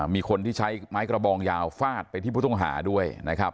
มีคนที่ใช้ไม้กระบองยาวฟาดไปที่ผู้ต้องหาด้วยนะครับ